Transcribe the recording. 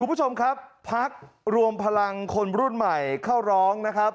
คุณผู้ชมครับพักรวมพลังคนรุ่นใหม่เข้าร้องนะครับ